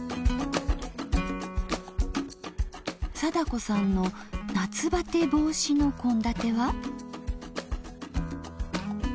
貞子さんの夏バテ防止の献立は？